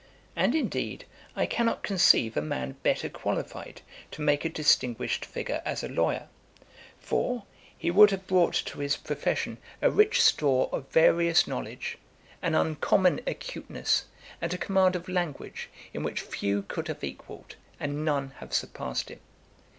And, indeed, I cannot conceive a man better qualified to make a distinguished figure as a lawyer; for, he would have brought to his profession a rich store of various knowledge, an uncommon acuteness, and a command of language, in which few could have equalled, and none have surpassed him.